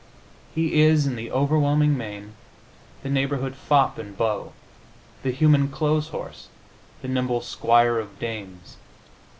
He is, in the overwhelming main, the neighborhood fop and beau, the human clothes horse, the nimble squire of dames.